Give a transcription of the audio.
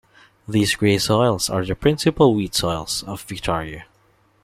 These grey soils are the principal wheat soils of Victoria.